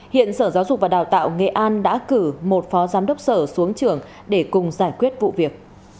hiện sở giáo dục và đào tạo nghệ an đã cử một phó giám đốc sở xuống trưởng để cùng giải quyết vụ việc